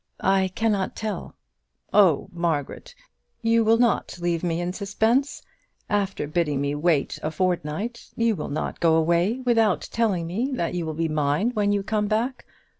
"I cannot tell." "Oh! Margaret; you will not leave me in suspense? After bidding me wait a fortnight, you will not go away without telling me that you will be mine when you come back?